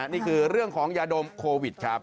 นี่คือเรื่องของยาดมโควิดครับ